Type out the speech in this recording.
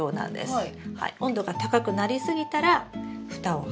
はい。